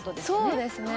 そうですね。